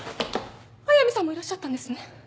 速見さんもいらっしゃったんですね。